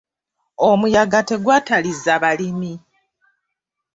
Omuyaga tegwatalizza balimi.